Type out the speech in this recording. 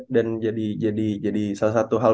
jadi salah satu hal